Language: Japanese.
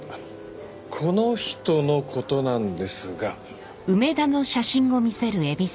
この人の事なんですが。